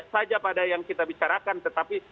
saja pada yang kita bicarakan tetapi